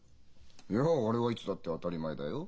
いや俺はいつだって当たり前だよ。